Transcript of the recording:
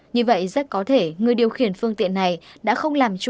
như vậy rất có thể người điều khiển phương tiện này đã không làm chủ